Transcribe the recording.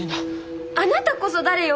あなたこそ誰よ！